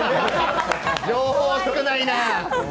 情報少ないな！